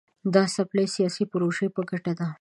دا د خپلې سیاسي پروژې په ګټه ده.